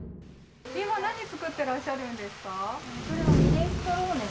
今、何を作ってらっしゃるんですか？